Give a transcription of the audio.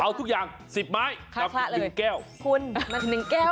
มาขายที่ไทยรัฐทีปู